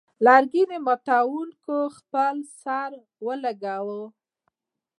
لرګي ماتوونکي خپل سر وګراوه.